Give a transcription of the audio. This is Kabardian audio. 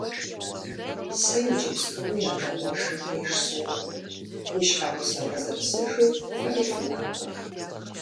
Сэ иджыпсту уи адэ къуэшым деж сокӀуэ, уи щхьэгъусэр къызэрысыжу фэри фынакӀуэ.